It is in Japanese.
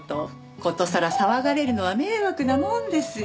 ことさら騒がれるのは迷惑なもんですよ。